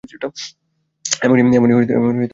এমনিই একটা সাধারণ দানব।